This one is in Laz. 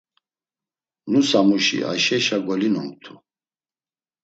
Nusamuşi Ayşeşa golinonktu: